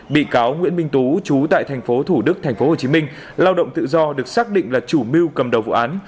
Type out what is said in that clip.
bị cáo nguyễn minh tú chú tại thành phố thủ đức thành phố hồ chí minh lao động tự do được xác định là chủ mưu cầm đầu vụ án